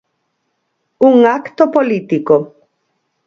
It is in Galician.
Un acto político.